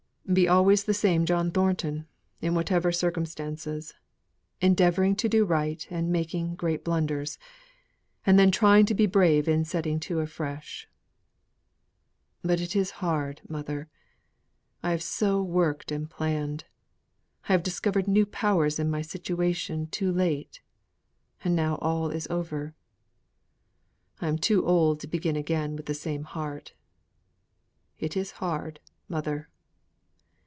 "Be always the same John Thornton in whatever circumstances; endeavouring to do right, and making great blunders; and then trying to be brave in setting to afresh. But it is hard, mother. I have worked and planned. I have discovered new powers in my situation too late and now all is over. I am too old to begin again with the same heart. It is hard, mother."